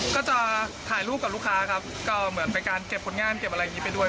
ก็จะถ่ายรูปกับลูกค้าครับก็เหมือนเป็นการเก็บผลงานเก็บอะไรอย่างนี้ไปด้วย